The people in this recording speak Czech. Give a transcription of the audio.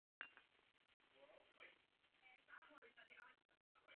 Sakristie je na severní straně.